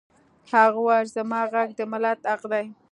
هغه وویل زما غږ د ملت حق دی